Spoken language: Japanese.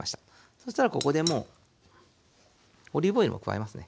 そしたらここでもうオリーブオイルも加えますね。